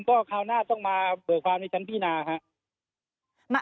ก็คราวหน้าต้องมาเบิกความในชั้นพินาครับ